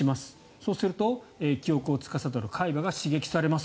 そうすると記憶をつかさどる海馬が刺激されます